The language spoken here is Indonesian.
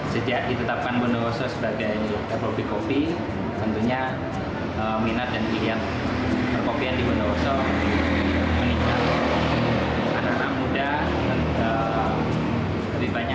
sejak ditetapkan bondowoso sebagai teropi kopi tentunya minat dan keinginan berkopi di bondowoso meningkat